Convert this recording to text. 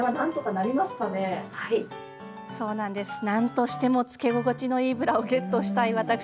なんとしても着け心地のいいブラをゲットしたい私。